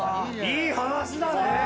いい話だね！